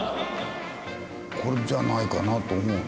これじゃないかなと思うよ。